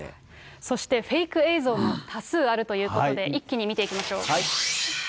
そしてフェイク映像も多数あるということ、一気に見ていきま